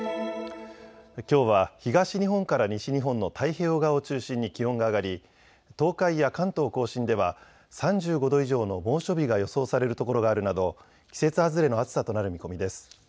きょうは東日本から西日本の太平洋側を中心に気温が上がり東海や関東甲信では３５度以上の猛暑日が予想されるところがあるなど季節外れの暑さとなる見込みです。